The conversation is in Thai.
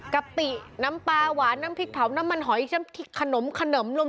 กะปิน้ำปลาหวานน้ำพริกเผาน้ำมันหอยขนมขนม